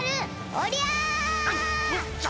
おりゃ！